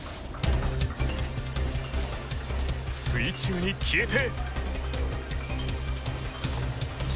水中に消えて。